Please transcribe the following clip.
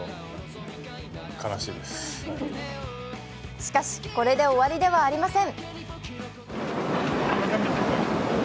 しかし、これで終わりではありません。